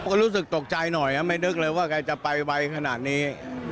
ก็รู้สึกตกใจหน่อยไม่นึกเลยว่าแกจะไปไวขนาดนี้